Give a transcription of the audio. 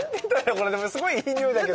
これでもすごいいいにおいだけど。